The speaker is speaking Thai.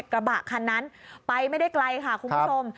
กระบะคันนั้นไปไม่ได้ไกลค่ะคุณผู้ชม